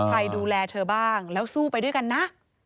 ใครดูแลเธอบ้างแล้วสู้ไปด้วยกันนะ